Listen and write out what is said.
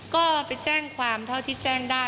ก็ไปแจ้งความเท่าที่แจ้งได้